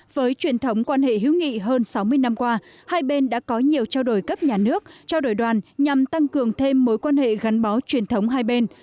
với truyền thống quan hệ hữu nghị hơn sáu mươi năm qua hai bên đã có nhiều trao đổi cấp nhà nước trao đổi đoàn nhằm tăng cường thêm mối quan hệ gắn bó truyền thống hai bên